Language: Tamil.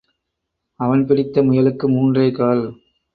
அவன் பிடித்த முயலுக்கு மூன்றே கால்.